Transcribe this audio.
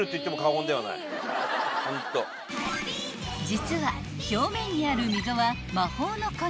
［実は表面にある溝は魔法の粉］